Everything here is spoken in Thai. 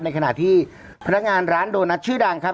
ขณะที่พนักงานร้านโดนัทชื่อดังครับ